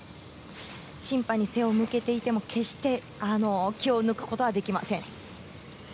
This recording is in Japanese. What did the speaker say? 審判に背を向けていても決して気を抜くことはできません。